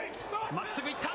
まっすぐいった。